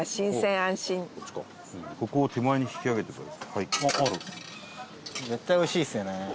前田：絶対おいしいですよね。